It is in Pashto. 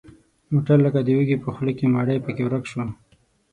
موټر لکه د وږي په خوله کې مړۍ پکې ورک شو.